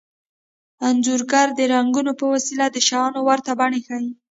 انځورګر د رنګونو په وسیله د شیانو ورته بڼې ښيي